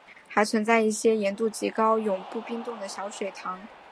还存在一些盐度极高的永不冰冻的小水塘。